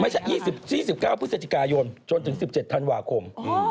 ๒๙พฤศจิกายนจนถึง๑๗ธันวาคม